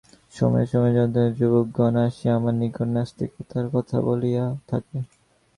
সময়ে সময়ে মান্দ্রাজী যুবকগণ আসিয়া আমার নিকট নাস্তিকতার কথা বলিয়া থাকে।